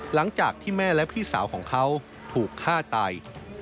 หลังจากที่แม่และพี่สาวของเขาถูกฆ่าตาย